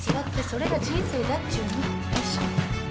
それが人生だっちゅうの。